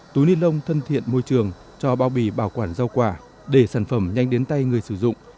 túi ni lông thân thiện môi trường cho bao bì bảo quản rau quả để sản phẩm nhanh đến tay người sử dụng